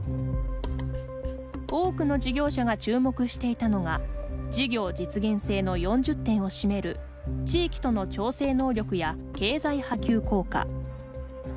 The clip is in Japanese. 多くの事業者が注目していたのが事業実現性の４０点を占める地域との調整能力や経済波及効果。